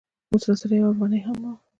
اوس راسره یوه افغانۍ هم نه وه.